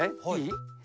はい。